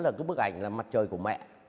là bức ảnh là mặt trời của mẹ